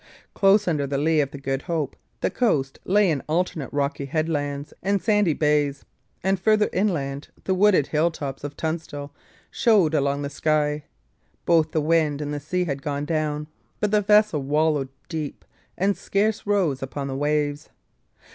Close under the lee of the Good Hope, the coast lay in alternate rocky headlands and sandy bays; and further inland the wooded hill tops of Tunstall showed along the sky. Both the wind and the sea had gone down; but the vessel wallowed deep, and scarce rose upon the waves.